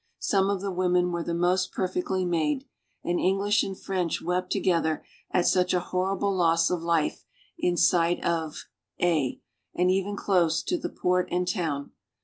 Some of the women were the most perfectly made; and French and English wept together at such a horrible loss of life in sight of ay, and even close to, the port and town.